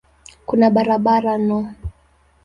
Kuna barabara no.